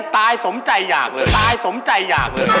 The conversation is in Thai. ตายสมใจอยากเลย